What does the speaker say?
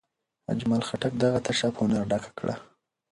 اجمل خټک دغه تشه په هنر ډکه کړه.